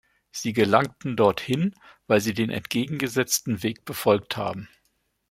Sie gelangten dorthin, weil sie den entgegengesetzten Weg befolgt haben.